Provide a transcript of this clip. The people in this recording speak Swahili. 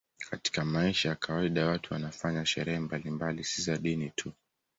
Katika maisha ya kawaida watu wanafanya sherehe mbalimbali, si za dini tu.